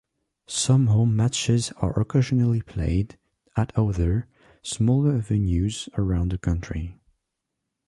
Some home matches are occasionally played at other, smaller venues around the country.